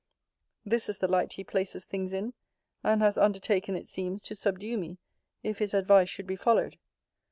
This is the light he places things in: and has undertaken, it seems, to subdue me, if his advice should be followed.